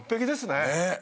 ねえ。